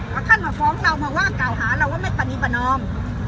เพราะท่านมาฟ้องเรามาว่าเก่าหาเราว่าไม่ประนีประนอม